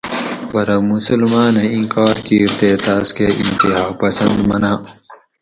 پرہ مسلماۤنہ اِیں کار کِیر تے تاۤس کہ انتہاپسند مناۤں؟